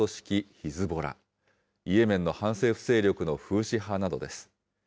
ヒズボラ、イエメンの反政府勢力のフーシ派などです。